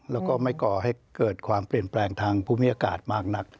แล้วก็ไม่ก่อให้เกิดความเปลี่ยนแปลงทางภูมิอากาศมากนัก